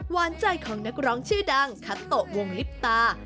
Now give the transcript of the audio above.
หวานใจของนักร้องชื่อดังคัตโตะวงลิปตา